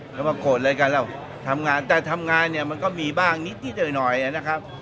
เขามาโขดเลยกันแล้วแต่ทำงานเนี่ยมันก็มีบ้างนิดนิดหน่อยหน่อยนะครับ